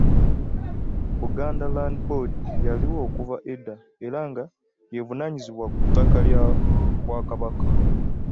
Buganda Land Board yaliwo okuva edda era nga y'evunaanyizibwa ku ttaka ly'Obwakabaka.